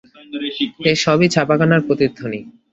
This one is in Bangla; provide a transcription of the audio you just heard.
এ সবই ছাপাখানার প্রতিধ্বনি।